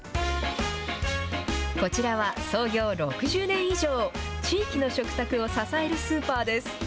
こちらは創業６０年以上、地域の食卓を支えるスーパーです。